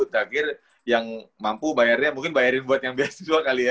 tagir yang mampu bayarnya mungkin bayarin buat yang bs dua kali ya